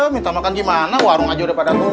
minta makan gimana warung aja udah pada tuh